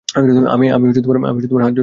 আমি হাতজোড় করছি!